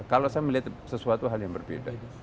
kalau saya melihat sesuatu hal yang berbeda